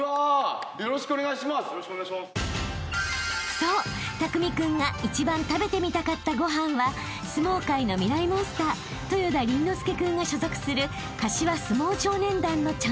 ［そうたくみ君が一番食べてみたかったご飯は相撲界のミライ☆モンスター豊田倫之亮君が所属する］